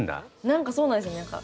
何かそうなんですよ何か。